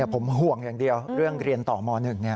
ผมห่วงอย่างเดียวเรื่องเรียนต่อม๑